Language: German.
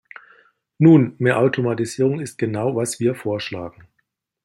Nun, mehr Automatisierung ist genau, was wir vorschlagen.